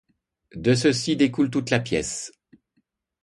De ceci découle toute la pièce.